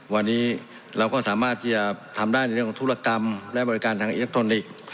วันนี้เราก็สามารถที่จะทำได้ในเรื่องของธุรกรรมและบริการทางอิเล็กทรอนิกส์